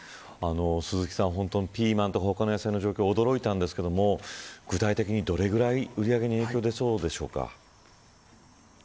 鈴木さん、ピーマンとか他の野菜の状況、驚いたんですが具体的にどれぐらい売り上げに影響が出そうでしょうか。